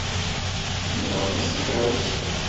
Ḥemmleɣ aṭas takeṛṛust-a.